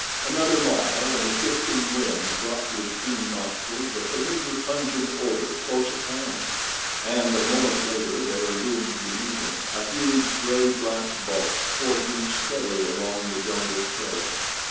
Another mile and a shifting wind brought to his keen nostrils a familiar, pungent odor close at hand, and a moment later there loomed beneath him a huge, gray black bulk forging steadily along the jungle trail.